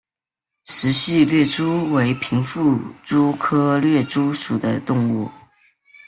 石隙掠蛛为平腹蛛科掠蛛属的动物。